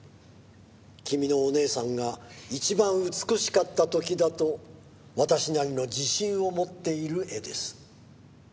「君のお姉さんが一番美しかった時だと私なりの自信を持っている絵です」